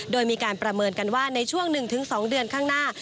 โดยมีการประเมินกันว่าในช่วง๑๒เดือนข้างหน้า